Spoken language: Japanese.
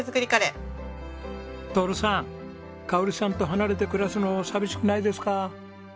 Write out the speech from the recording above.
徹さん香さんと離れて暮らすの寂しくないですか？